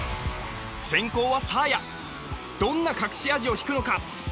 先攻はサーヤどんな隠し味を引くのか？